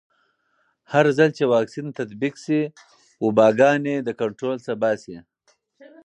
هرځل چې واکسین تطبیق شي، وباګانې کنټرول نه باسي.